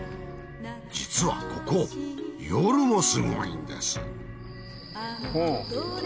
実はここ夜もすごいんです。